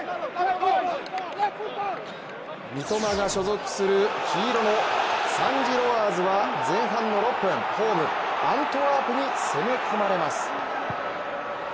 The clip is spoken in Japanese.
三笘が所属する黄色のサン＝ジロワーズは前半６分、ホーム・アントワープに攻め込まれます。